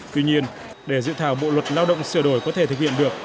tuy nhiên để dự thảo bộ luật lao động sửa đổi có thể thực hiện được